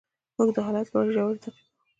موږ د حالت لوړې ژورې تعقیبوو.